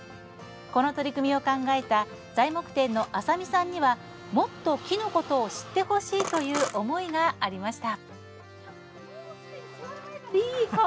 この取り組みを考えた材木店の浅見さんにはもっと木のことを知ってほしいという思いがありました。